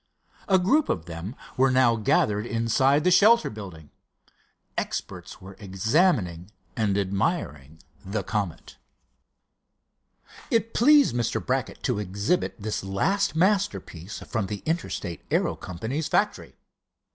A group of them were now gathered inside the shelter building. Experts were examining and admiring the Comet. It pleased Mr. Brackett to exhibit this last masterpiece from the Interstate Aero Company's factory.